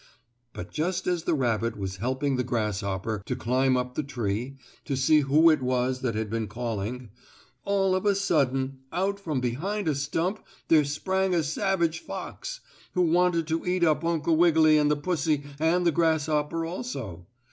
But just as the rabbit was helping the grasshopper to climb up the tree, to see who it was that had been calling, all of a sudden out from behind a stump there sprang a savage fox, who wanted to eat up Uncle Wiggily and the pussy and the grasshopper also.